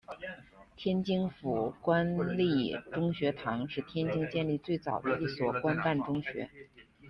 天津府官立中学堂是天津建立最早的一所官办中学。